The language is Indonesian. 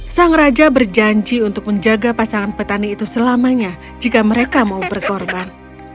sang raja berjanji untuk menjaga pasangan petani itu selamanya jika mereka mau berkorban